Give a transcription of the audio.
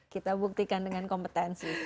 kita buktikan dengan kompetensi